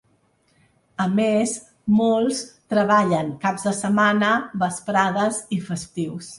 A més, molts treballen caps de setmana, vesprades i festius.